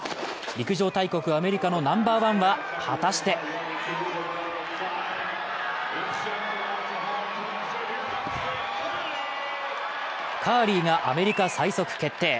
陸上大国アメリカのナンバーワンは果たしてカーリーがアメリカ最速決定。